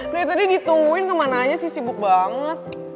dari tadi ditungguin ke mananya sih sibuk banget